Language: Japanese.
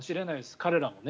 彼らもね。